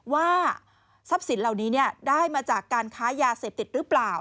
ว่าทรัพย์สินเหล่านี้ได้มาจากการค้ายาเสพติดหรือเปล่า